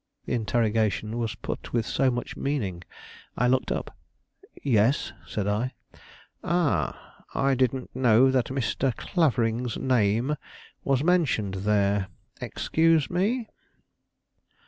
The interrogation was put with so much meaning, I looked up. "Yes," said I. "Ah, I didn't know that Mr. Clavering's name was mentioned there; excuse me."